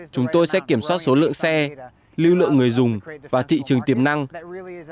chúng tôi sẽ kiểm soát số lượng xe lưu lượng người dùng và thị trường tiềm năng để đáp ứng được cung cầu